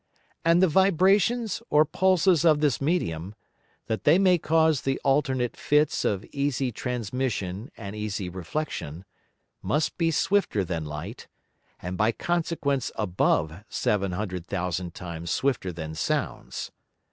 And the Vibrations or Pulses of this Medium, that they may cause the alternate Fits of easy Transmission and easy Reflexion, must be swifter than Light, and by consequence above 700,000 times swifter than Sounds.